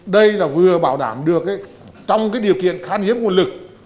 đây là vừa bảo đảm được trong cái điều kiện khan hiếp nguồn lực